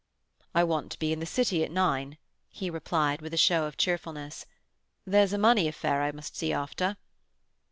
"I want to be in the City at nine," he replied, with a show of cheerfulness. "There's a money affair I must see after."